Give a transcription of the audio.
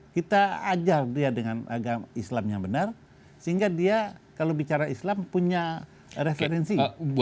kita ajar dia dengan agama islam yang benar sehingga dia kalau bicara islam punya referensi